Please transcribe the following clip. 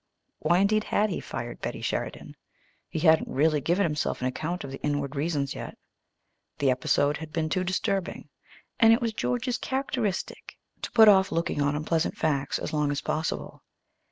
Why, indeed, had he fired Betty Sheridan? He hadn't really given himself an account of the inward reasons yet. The episode had been too disturbing; and it was George's characteristic to put off looking on unpleasant facts as long as possible.